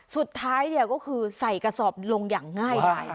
สุดท้ายก็คือใส่กระสอบลงอย่างง่ายไป